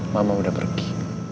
mama udah pergi